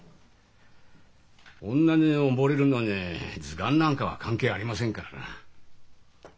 女におぼれるのに時間なんかは関係ありませんからな。